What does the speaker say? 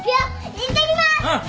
いってきます。